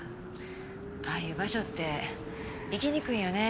ああいう場所って行きにくいんよね